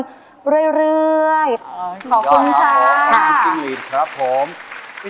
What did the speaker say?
เครื่องผลภารกิจ